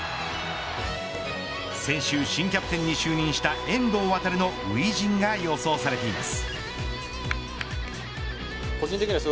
先週、新キャプテンに就任した遠藤航の初陣が予想されています。